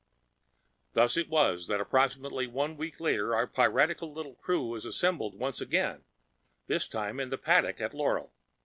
Thus it was that approximately one week later our piratical little crew was assembled once again, this time in the paddock at Laurel.